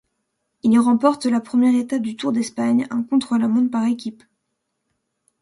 Il remporte la première étape du Tour d'Espagne, un contre-la-montre par équipes.